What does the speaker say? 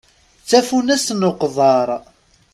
D tafunast n uqḍar.